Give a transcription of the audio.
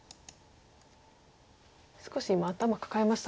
少し今頭抱えましたね